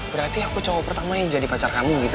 berarti aku cowok pertamanya yang jadi pacar kamu gitu